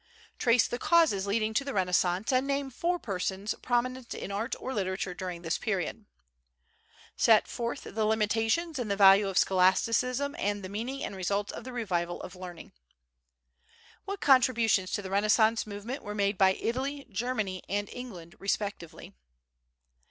Trace the causes leading to the Renaissance and name four persons prominent in art or literature during this period. Set forth the limitations and the value of scholasticism and the meaning and results of the revival of learning. What contributions to the Renaissance movement were made by Italy, Germany and England respectively?